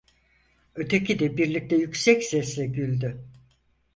Öteki de birlikte yüksek sesle güldü...